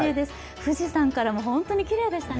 富士山からも本当にきれいでしたね。